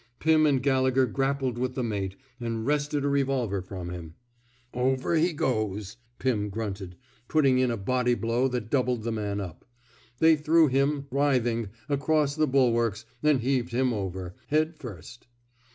Pirn and Gallegher grappled with the mate, and wrested a revolver from him. Over he goes,*' Pim grunted, putting in a body blow that doubled the man up. They threw him, writhing, across the bul warks, and heaved him over, head first.